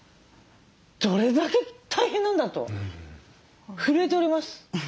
どれだけ大変なんだと震えております。